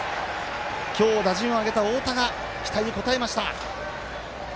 今日、打順を上げた太田が期待に応えました。